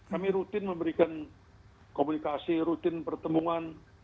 kami rutin memberikan komunikasi rutin pertemuan